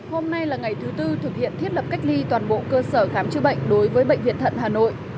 hôm nay là ngày thứ tư thực hiện thiết lập cách ly toàn bộ cơ sở khám chữa bệnh đối với bệnh viện thận hà nội